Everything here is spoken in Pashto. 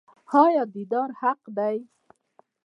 آیا دیدار حق دی؟